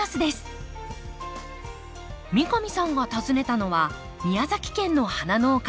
三上さんが訪ねたのは宮崎県の花農家。